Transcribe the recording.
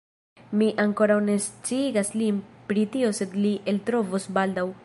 Mi ankoraŭ ne sciigas lin pri tio sed li eltrovos baldaŭ